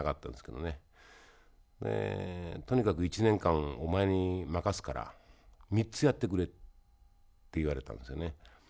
とにかく１年間お前に任すから３つやってくれって言われたんですよね。